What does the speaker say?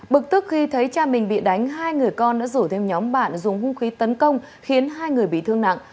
bực tức khi thấy cha mình bị đánh hai người con đã rủ thêm nhóm bạn dùng hung khí tấn công khiến hai người bị thương nặng